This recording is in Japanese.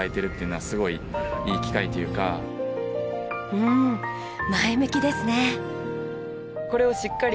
うん前向きですね。